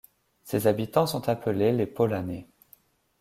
Ses habitants sont appelés les Paulhanais.